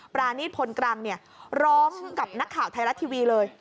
ปรานีตพลกรังร้องกับนักข่าวไทยรัฐทีวีเลย